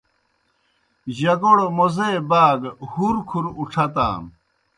جگوڑ موزے باگہ ہُرکُھر اُڇَھتان۔